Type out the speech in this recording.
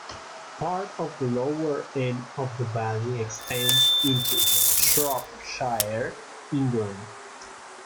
Part of the lower end of the valley extends into Shropshire, England.